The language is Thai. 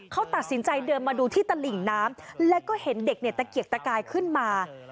เขาตัดสินใจเดินมาดูที่ตลิ่งน้ำแล้วก็เห็นเด็กเนี่ยตะเกียกตะกายขึ้นมา